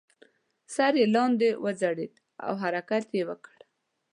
سر یې لاندې وځړید او حرکت یې وکړ.